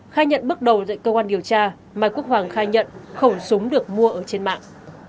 khai nhận bước đầu dạy cơ quan điều tra mai quốc hoàng khai nhận khẩu súng được mua ở trên mạng